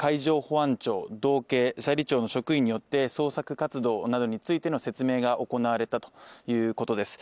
海上保安庁斜里町の職員によって捜索活動などについての説明が行われたということです